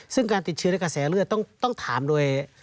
ซึ่งการติดเชื้อในกระแสเลือดต้องถามโดย